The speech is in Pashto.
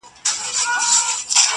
ښایسته یې چټه ښکلې ګلالۍ کړه.!